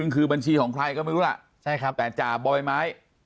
คือบัญชีของใครก็ไม่รู้แต่จ่าบ่อยไม้